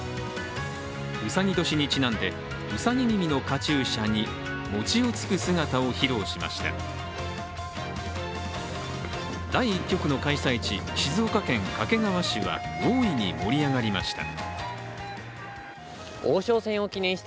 うさぎ年にちなんで、うさぎ耳のカチューシャに餅をつく姿を披露しました。